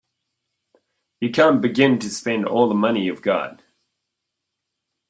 You can't begin to spend all the money you've got.